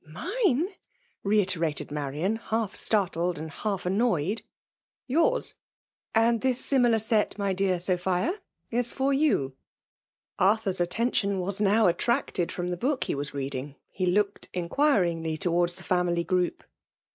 *' Mine ¥^ reiterated Marian> half startled and half annoyed. ''Yours — and this similar set, my deat Sophia, is. for ycu^ Arthur's attention was now attracted froa the book he was reading. He looked in* quiringly towards the family group.